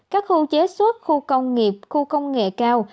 các khu chế xuất khu công nghiệp khu công nghệ cao